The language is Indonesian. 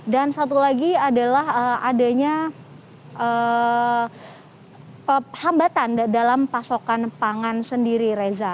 dan satu lagi adalah adanya hambatan dalam pasokan pangan sendiri